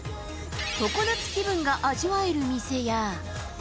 常夏気分が味わえる店や。